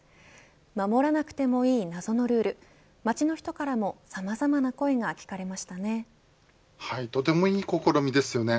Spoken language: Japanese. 守らなくてもいい謎のルール街の人からもさまざまな声がとてもいい試みですよね。